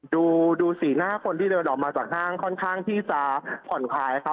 ดูสีหน้าคนที่เดินออกมาจากห้างค่อนข้างที่จะผ่อนคลายครับ